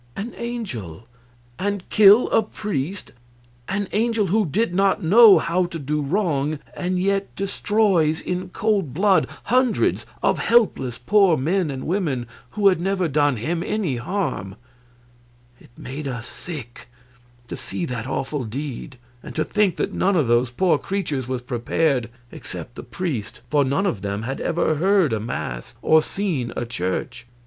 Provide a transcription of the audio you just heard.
An angel, and kill a priest! An angel who did not know how to do wrong, and yet destroys in cold blood hundreds of helpless poor men and women who had never done him any harm! It made us sick to see that awful deed, and to think that none of those poor creatures was prepared except the priest, for none of them had ever heard a mass or seen a church.